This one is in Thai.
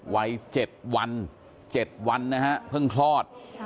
วัย๗วัน๗วันนะฮะเพิ่งคลอด